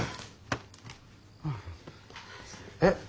え？